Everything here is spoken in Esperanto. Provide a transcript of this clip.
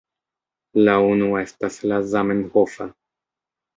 La unu estas la zamenhofa.